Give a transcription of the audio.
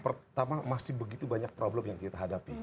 pertama masih begitu banyak problem yang kita hadapi